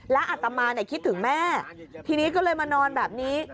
และอัตมาคิดถึงแม่ทีนี้ก็เลยมานอนแบบนี้